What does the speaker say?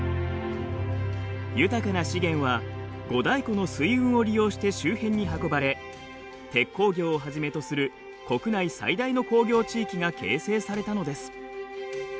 豊かな資源は五大湖の水運を利用して周辺に運ばれ鉄鋼業をはじめとする国内最大の工業地域が形成されたのです。